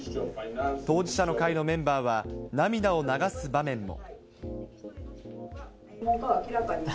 当事者の会のメンバーは涙を流す場面も。